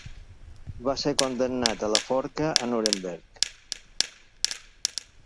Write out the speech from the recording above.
Va ser condemnat a la forca a Nuremberg.